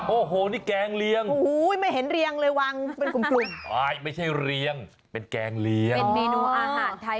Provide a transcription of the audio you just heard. โอ้โหนี่แกงเลี้ยง